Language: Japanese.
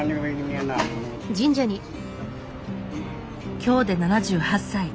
今日で７８歳。